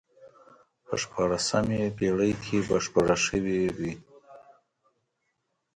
په شپاړسمې پېړۍ کې بشپړ شوی وي.